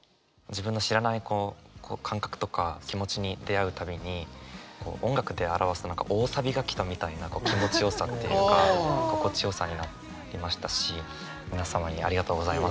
自分の知らない感覚とか気持ちに出会うたびに音楽で表すと大サビがきたみたいな気持ちよさっていうか心地よさになりましたし皆様にありがとうございますと。